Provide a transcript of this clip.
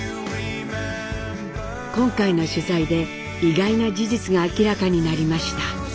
今回の取材で意外な事実が明らかになりました。